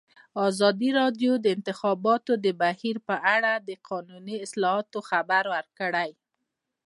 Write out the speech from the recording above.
ازادي راډیو د د انتخاباتو بهیر په اړه د قانوني اصلاحاتو خبر ورکړی.